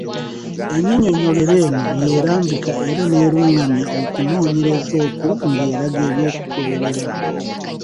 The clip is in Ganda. Ennyinyonnyolero eno y’erambika era n’erungamya okunoonyereza okwo ng’eraga ebyokugoberera.